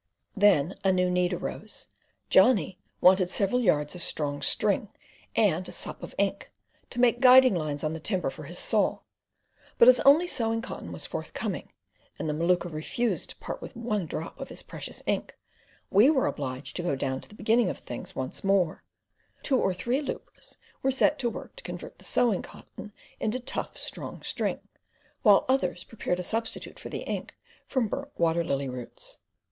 Then a new need arose: Johnny wanted several yards of strong string, and a "sup" of ink, to make guiding lines on the timber for his saw; but as only sewing cotton was forthcoming, and the Maluka refused to part with one drop of his precious ink, we were obliged to go down to the beginning of things once more: two or three lubras were set to work to convert the sewing cotton into tough, strong string, while others prepared a substitute for the ink from burnt water lily roots.